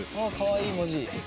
ああかわいい文字。